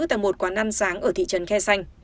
tại một quán ăn sáng ở thị trấn khe xanh